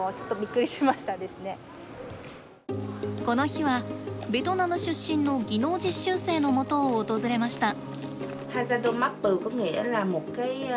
この日はベトナム出身の技能実習生のもとを訪れました。